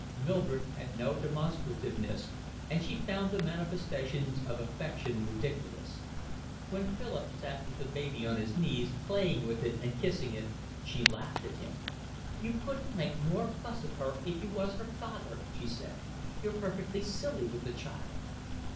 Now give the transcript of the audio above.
Mildred had no demonstrativeness, and she found the manifestations of affection ridiculous. When Philip sat with the baby on his knees, playing with it and kissing it, she laughed at him. "You couldn't make more fuss of her if you was her father," she said. "You're perfectly silly with the child."